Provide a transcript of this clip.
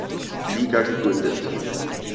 Liga gegründet.